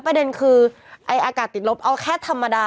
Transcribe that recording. ปิดลบเหรอ